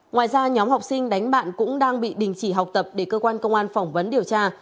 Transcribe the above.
ngoài ra nhóm học sinh đánh bạn cũng đang bị đình chỉ học tập để cơ quan công an phỏng vấn điều tra